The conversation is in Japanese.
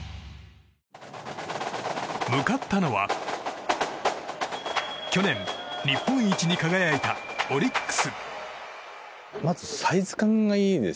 向かったのは去年日本一に輝いたオリックス。